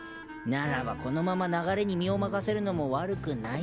ならばこのまま流れに身を任せるのも悪くないっと。